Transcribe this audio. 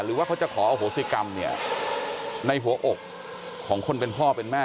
หรือว่าเขาจะขออโหสิกรรมเนี่ยในหัวอกของคนเป็นพ่อเป็นแม่